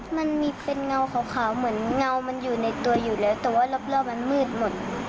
เหมือนเงาอยู่ในตัวอยู่แล้วแต่ว่ารอบมันมืดหมด